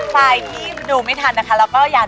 ฝ่ายที่คุณดูไม่ทันนะคะแล้วก็อยากดูย้อนหลัง